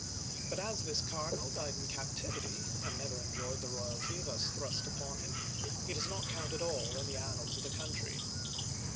But as this cardinal died in captivity, and never enjoyed the royalty thus thrust upon him, he does not count at all in the annals of the country.